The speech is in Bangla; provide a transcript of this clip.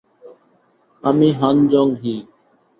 আমি হান জং-হি।